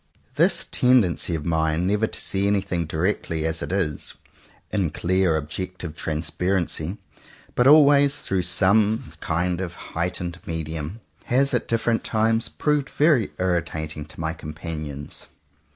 This tendency of mine never to see any thing directly as it is, in clear objective transparency, but always through some 81 CONFESSIONS OF TWO BROTHERS kind of heightened medium, has at different times proved very irritating to my com panions.